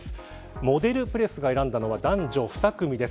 モデルプレスが選んだのは男女２組です。